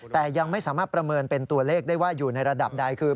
แต่ยังไม่สามารถประเมินเป็นตัวเลขได้ว่าอยู่ในระดับใดคือ